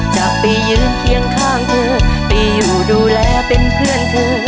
จะไปยืนเคียงข้างเธอไปอยู่ดูแลเป็นเพื่อนเธอ